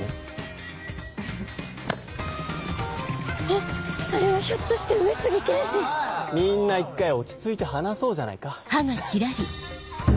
あっあれはひょっとして上杉謙信⁉みんな一回落ち着いて話そうじゃないかアハっ。